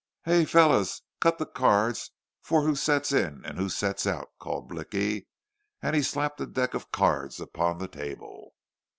"Hyar, fellers, cut the cards fer who sets in an' who sets out," called Blicky, and he slapped a deck of cards upon the table.